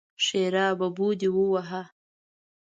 ښېرا: ببو دې ووهه!